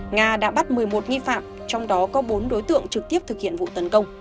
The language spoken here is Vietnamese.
nga đã bắt một mươi một nghi phạm trong đó có bốn đối tượng trực tiếp thực hiện vụ tấn công